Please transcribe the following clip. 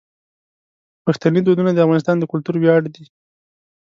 پښتني دودونه د افغانستان د کلتور ویاړ دي.